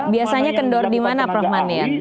biasanya kendor di mana prof manian